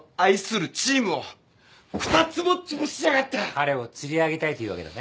彼を釣り上げたいというわけだね？